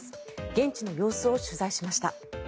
現地の様子を取材しました。